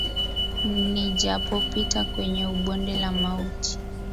Nijapopita kwenye ubonde la mauti.